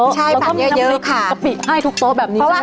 ใช่ผักเยอะค่ะแล้วก็มีน้ำมิดกะปิให้ทุกโต๊ะแบบนี้ใช่ไหมคะ